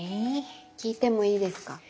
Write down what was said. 聞いてもいいですか？